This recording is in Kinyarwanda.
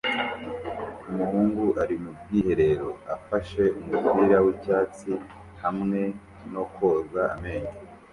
Umuhungu ari mu bwiherero afashe umupira w'icyatsi hamwe no koza amenyo